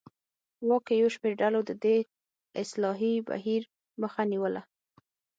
واک کې یو شمېر ډلو د دې اصلاحي بهیر مخه نیوله.